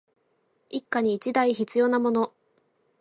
一家に一台必要なもの